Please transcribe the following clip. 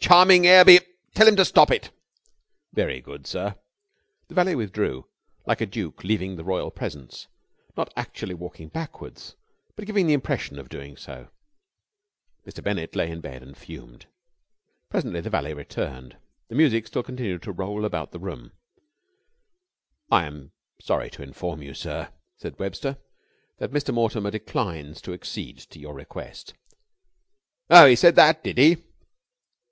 "Charming air be ! Tell him to stop it." "Very good, sir." The valet withdrew like a duke leaving the royal presence, not actually walking backwards, but giving the impression of doing so. Mr. Bennett lay in bed and fumed. Presently the valet returned. The music still continued to roll about the room. "I am sorry to have to inform you, sir," said Webster, "that Mr. Mortimer declines to accede to your request." "Oh, he said that, did he!"